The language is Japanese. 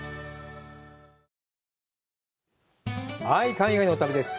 海外の旅です。